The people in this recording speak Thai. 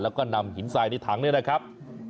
แล้วก็นำหินทรายในถังเนี่ยนะครับ